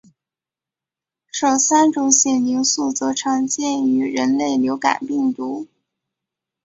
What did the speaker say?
首三种血凝素则常见于人类流感病毒。